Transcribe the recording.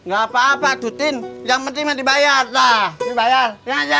gak apa apa tuh tin yang penting dibayar